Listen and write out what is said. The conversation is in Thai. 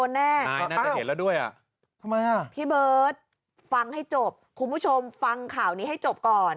น่าจะเห็นแล้วด้วยอ่ะทำไมอ่ะพี่เบิร์ตฟังให้จบคุณผู้ชมฟังข่าวนี้ให้จบก่อน